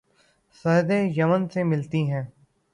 سرحدیں Yemen سے ملتی ہیں